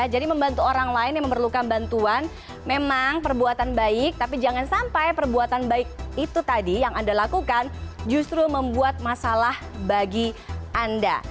jadi membantu orang lain yang memerlukan bantuan memang perbuatan baik tapi jangan sampai perbuatan baik itu tadi yang anda lakukan justru membuat masalah bagi anda